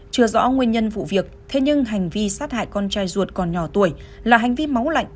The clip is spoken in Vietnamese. chưa rõ nguyên nhân vụ việc thế nhưng hành vi sát hại con trai ruột còn nhỏ tuổi là hành vi máu lạnh